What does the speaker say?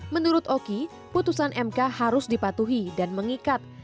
menurut oki putusan mk harus dipatuhi dan mengikat